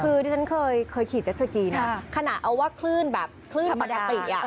คือที่ฉันเคยขี่เจ็กสกีนะขนาดเอาว่าคลื่นปกติ